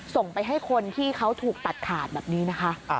ส่งไปให้คนที่เขาถูกตัดขาดแบบนี้นะคะ